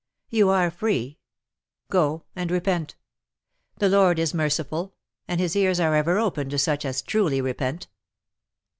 You are free! Go and repent; the Lord is merciful, and his ears are ever open to such as truly repent."